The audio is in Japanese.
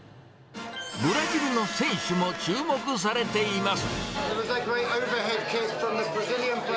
ブラジルの選手も注目されています。